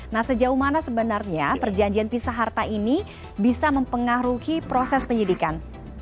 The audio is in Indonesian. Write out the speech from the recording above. nah sejauh mana sebenarnya perjanjian pisah harta ini bisa mempengaruhi proses penyidikan